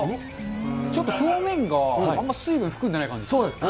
ちょっと表面が、あんまり水分含んでない感じします。